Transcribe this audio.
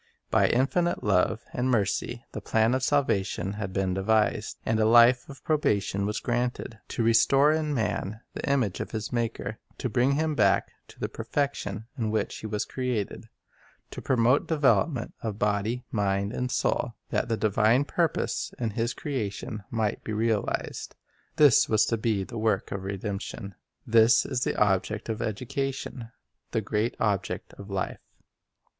By infinite love and mercy the plan of salvation had been devised, and a life of probation was granted. To restore in man the image of his Maker, to bring him back to the perfection in 1 Gen. 1:27. 2 Job37:i6. f6 First Principles which lie was created, to promote the development of body, mind, and soul, that the divine purpose in his creation might be realized, — this was to be the work of redemption. This is the object of education, the great object of life.